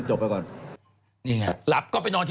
จากธนาคารกรุงเทพฯ